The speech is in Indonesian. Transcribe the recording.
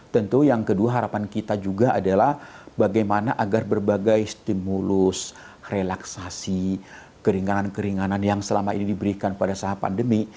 tentu yang kedua harapan kita juga adalah bagaimana agar berbagai stimulus relaksasi keringanan keringanan yang selama ini diberikan pada saat pandemi